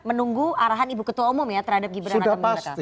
menunggu arahan ibu ketua umum ya terhadap gibran